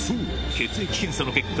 血液検査の結果